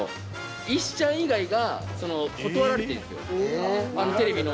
石ちゃん以外が断れてるんですよテレビの。